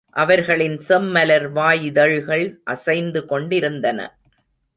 அவர்களின் செம்மலர் வாயிதழ்கள் அசைந்து கொண்டிருந்தன.